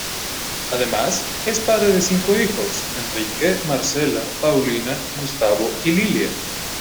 Además, es padre de cinco hijos: Enrique, Marcela, Paulina, Gustavo y Lilia.